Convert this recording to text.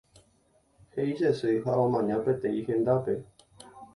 He'i che sy ha omaña peteĩ hendápe.